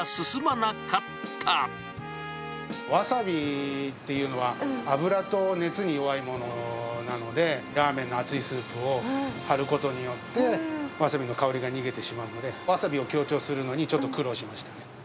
わさびっていうのは、油と熱に弱いものなので、ラーメンの熱いスープをはることによって、わさびの香りが逃げてしまうので、わさびを強調するのに、ちょっと苦労しました。